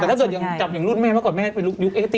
แต่ถ้าจับอย่างรุ่นแม่เมื่อก่อนแม่เป็นยุค๘๐มั้ย